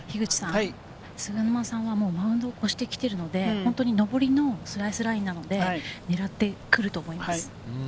菅沼さんはマウンドを越してきてるので、上りのスライスラインなので、狙ってくると思います。